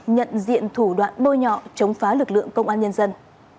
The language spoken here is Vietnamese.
nhận diện thủ đoạn bôi nhọ chống phá lực lượng công an nhân dân